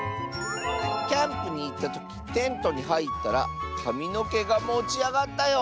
「キャンプにいったときテントにはいったらかみのけがもちあがったよ！」。